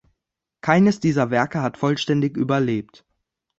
Keines dieser Werke hat vollständig überlebt.